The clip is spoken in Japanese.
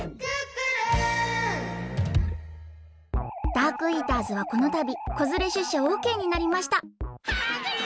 ダークイーターズはこのたびこづれしゅっしゃオッケーになりましたハングリー！